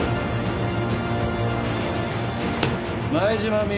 前島美雪